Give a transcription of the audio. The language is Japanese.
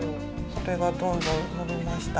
それがどんどん伸びました。